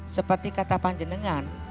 seperti kata panjenengan